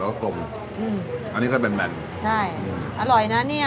ก็กลมอืมอันนี้ก็แนนแบนใช่อร่อยนะเนี้ย